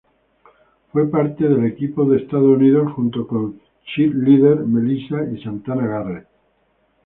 Fue parte de equipo de Estados Unidos junto con Cheerleader Melissa y Santana Garrett.